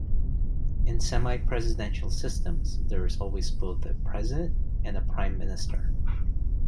In semi-presidential systems, there is always both a president and a prime minister.